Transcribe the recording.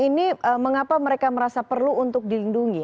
ini mengapa mereka merasa perlu untuk dilindungi